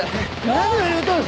何を言うとる！